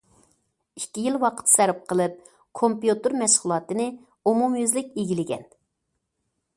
ئىككى يىل ۋاقىت سەرپ قىلىپ، كومپيۇتېر مەشغۇلاتىنى ئومۇميۈزلۈك ئىگىلىگەن.